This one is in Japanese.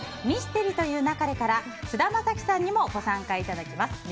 「ミステリと言う勿れ」から菅田将暉さんにもご参加いただきます。